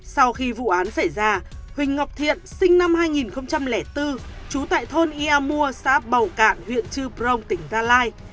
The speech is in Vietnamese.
sau khi vụ án xảy ra huỳnh ngọc thiện sinh năm hai nghìn bốn trú tại thôn ia mua xã bầu cạn huyện trư prong tỉnh gia lai